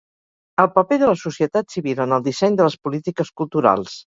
El paper de la societat civil en el disseny de les polítiques culturals.